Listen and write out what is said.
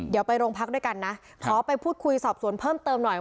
เดี๋ยวไปโรงพักด้วยกันนะขอไปพูดคุยสอบสวนเพิ่มเติมหน่อย